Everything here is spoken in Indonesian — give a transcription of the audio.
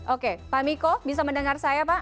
oke pak miko bisa mendengar saya pak